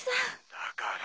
だから。